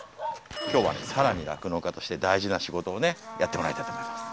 きょうはさらに酪農家として大事な仕事をねやってもらいたいと思います。